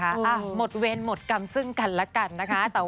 หมดเวรหมดกรรมซึ่งกันแล้วกันนะคะ